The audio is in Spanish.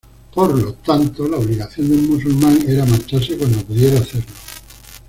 Por lo tanto, la obligación de un musulmán era marcharse cuando pudiera hacerlo.